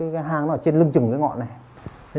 cái hang nó ở trên lưng trừng cái ngọn này